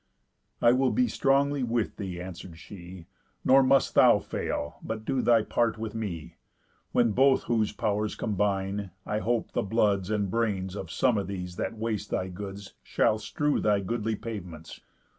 "I will be strongly with thee," answer'd she, "Nor must thou fail, but do thy part with me. When both whose pow'rs combine, I hope the bloods And brains of some of these that waste thy goods Shall strew thy goodly pavements.